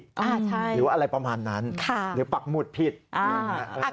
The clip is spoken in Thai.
ใช่ค่ะใช่ค่ะหรือว่าอะไรประมาณนั้นหรือปักหมุดผิดอย่างนั้นค่ะ